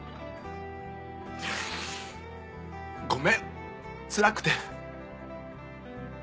ごめんつらくて。